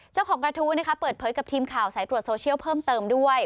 เจ้าของกระทู้เปิดเผยกับทีมข่าวสายตรวจโซเชียลเพิ่มเติมด้วย